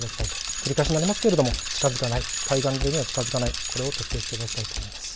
繰り返しにはなりますが近づかない、海岸沿いには近づかない、これを徹底していただきたいと思います。